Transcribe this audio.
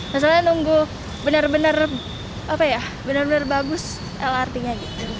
maksudnya nunggu bener bener bagus lrt nya gitu